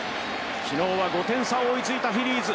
昨日は５点差を追いついたフィリーズ。